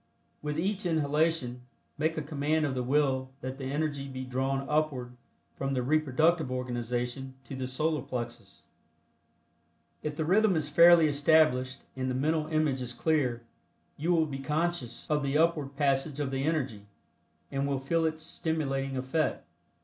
With each inhalation make a command of the Will that the energy be drawn upward from the reproductive organization to the Solar Plexus. If the rhythm is fairly established and the mental image is clear, you will be conscious of the upward passage of the energy, and will feel its stimulating effect.